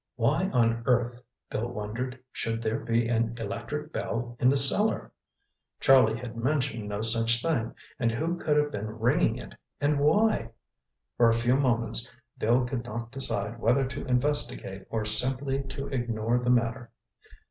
Why on earth, Bill wondered, should there be an electric bell in the cellar? Charlie had mentioned no such thing, and who could have been ringing it, and why? For a few moments Bill could not decide whether to investigate or simply to ignore the matter.